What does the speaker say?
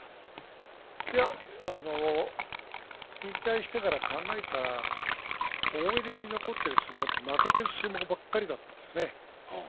引退してから考えたら思い出に残っている相撲は負けた相撲ばかりだったんですね。